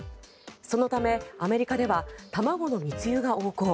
そのため、アメリカでは卵の密輸が横行。